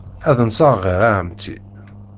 Ad nseɣ ɣer ɛemmti.